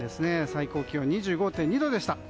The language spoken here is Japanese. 最高気温２５．２度でした。